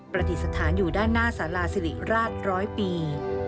ปฏิสถานอยู่ด้านหน้าศาลาศิริราชร้อยปี